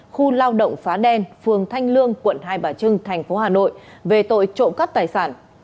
khu lao động phá đen phường thanh lương quận hai bà trưng tp hà nội về tội trộm cắt tài sản